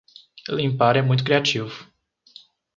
Limpar é muito criativo.